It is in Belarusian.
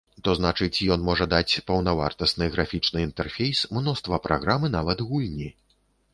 То значыць, ён можа даць паўнавартасны графічны інтэрфейс, мноства праграм і нават гульні.